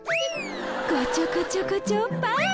こちょこちょこちょパー！